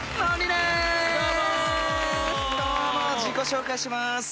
自己紹介します。